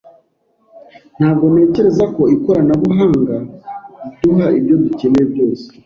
Ntabwo ntekereza ko ikoranabuhanga riduha ibyo dukeneye byose.